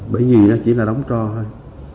bởi vì nó chỉ là đóng to thôi